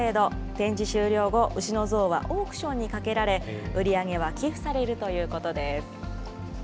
展示終了後、牛の像はオークションにかけられ、売り上げは寄付されるということです。